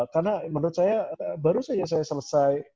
karena menurut saya baru saja saya selesai